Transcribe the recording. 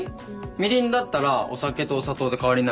みりんだったらお酒とお砂糖で代わりになるよ。